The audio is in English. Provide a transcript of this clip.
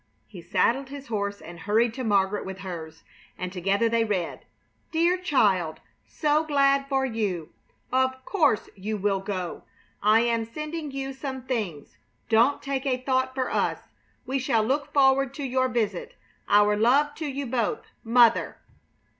He saddled his horse and hurried to Margaret with hers, and together they read: Dear child! So glad for you. Of course you will go. I am sending you some things. Don't take a thought for us. We shall look forward to your visit. Our love to you both. MOTHER.